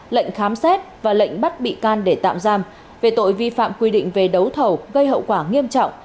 lệnh khám xét và lệnh bắt bị can để tạm giam về tội vi phạm quy định về đấu thầu gây hậu quả nghiêm trọng